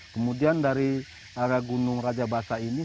kemudian dari arah gunung rajabasa ini